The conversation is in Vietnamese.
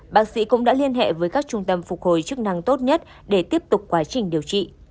bác sĩ cũng đã liên hệ với các trung tâm phục hồi chức năng tốt nhất để tiếp tục quá trình điều trị